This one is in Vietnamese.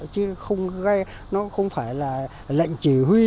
chứ không gây nó không phải là lệnh chỉ huy